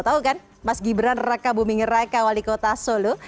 tahu kan mas gibran rekabuming reka wali kota solo